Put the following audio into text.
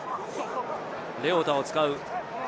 レオタを使う。